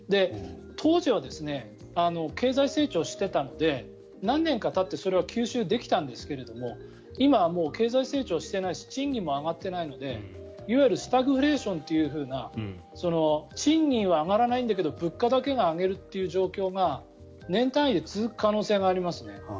当時は経済成長してたので何年かたってそれは吸収できたんですが今はもう経済成長していないし賃金も上がっていないのでいわゆるスタグフレーションという賃金は上がらないんだけど物価だけは上げるっていう状況が年単位で続く可能性があります。